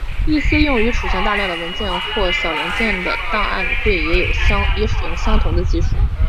一些用于储存大量的文件或小零件的档案柜也有使用相同的技术。